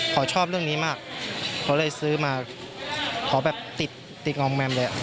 ขอชอบเรื่องนี้มากเขาเลยซื้อมาขอแบบติดติดงอมแมมเลย